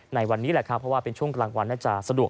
ในวันนี้แหละครับเพราะว่าเป็นช่วงกลางวันน่าจะสะดวก